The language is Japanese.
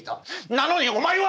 なのにお前は！